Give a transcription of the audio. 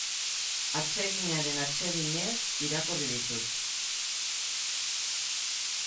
Atseginaren atseginez irakurri ditut.